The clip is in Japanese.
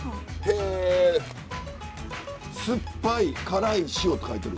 「酸っぱい辛い塩」って書いてる。